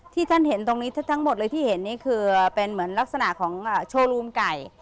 ที่ท่านเห็นตรงนี้ทั้งหมดเลยที่เห็นนี่คือเป็นเหมือนลักษณะของโชว์รูมไก่